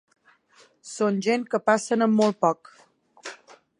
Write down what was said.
Són gent que passen amb molt poc.